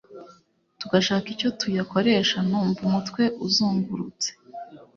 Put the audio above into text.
tugashaka icyo tuyakoresha numva umutwe uzungurutse!!